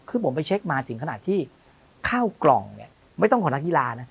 คือผมไปเช็คมาถึงขนาดที่ข้าวกล่องเนี่ยไม่ต้องของนักกีฬานะ